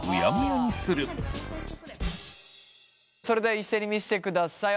それでは一斉に見してください